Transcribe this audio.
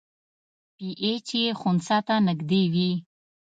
پی ایچ یې خنثی ته نږدې وي.